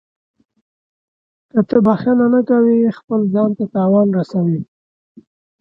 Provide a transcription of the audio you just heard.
• که ته بښنه نه کوې، خپل ځان ته تاوان رسوې.